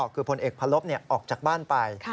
คือพลเอกพระลบออกจากบ้านไป